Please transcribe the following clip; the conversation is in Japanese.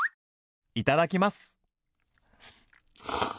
いただきます！